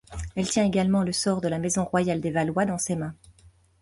Elle tient également le sort de la maison royale des Valois dans ses mains.